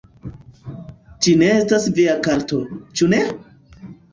Ĝi ne estas via karto, ĉu ne?